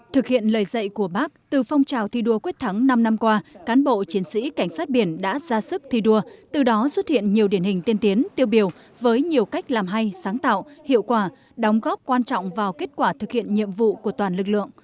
thực hiện lời dạy của bác từ phong trào thi đua quyết thắng năm năm qua cán bộ chiến sĩ cảnh sát biển đã ra sức thi đua từ đó xuất hiện nhiều điển hình tiên tiến tiêu biểu với nhiều cách làm hay sáng tạo hiệu quả đóng góp quan trọng vào kết quả thực hiện nhiệm vụ của toàn lực lượng